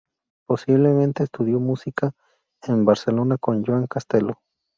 Posiblemente estudió música en Barcelona con Joan Castelló.